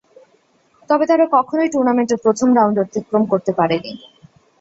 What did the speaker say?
তবে তারা কখনই টুর্নামেন্টের প্রথম রাউন্ড অতিক্রম করতে পারে নি।